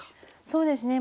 そうですね。